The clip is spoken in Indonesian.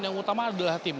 yang utama adalah tim